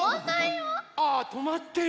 ああとまってる！